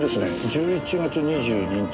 １１月２２日